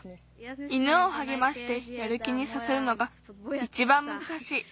犬をはげましてやる気にさせるのがいちばんむずかしい。